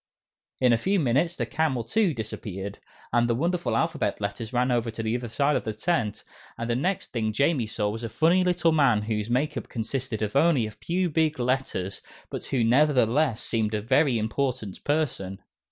In a few minutes, the camel, too, disappeared, and the wonderful Alphabet Letters ran over to the other side of the tent, and the next thing Jamie saw was a funny little man whose make up consisted of only a few big letters, but who nevertheless seemed a very important person.